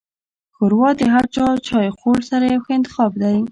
ښوروا د هر چایخوړ سره یو ښه انتخاب دی.